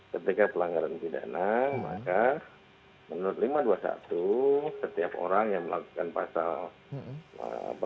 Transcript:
ketika pelanggaran pidana maka menurut lima ratus dua puluh satu setiap orang yang melakukan pasal